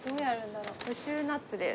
カシューナッツです。